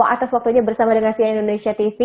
atas waktunya bersama dengan sian indonesia tv